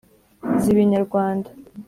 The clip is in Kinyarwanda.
Ziba inyarwanda.